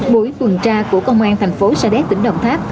buổi tuần tra của công an thành phố sa đéc tỉnh đồng tháp